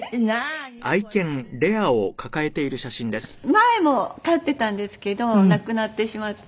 前も飼っていたんですけど亡くなってしまって。